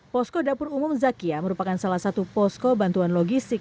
posko dapur umum zakia merupakan salah satu posko bantuan logistik